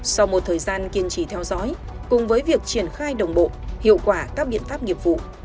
sau một thời gian kiên trì theo dõi cùng với việc triển khai đồng bộ hiệu quả các biện pháp nghiệp vụ